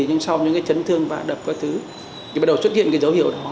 nhưng sau những cái chấn thương vạn đập các thứ thì bắt đầu xuất hiện cái dấu hiệu đó